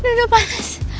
aduh udah udah panas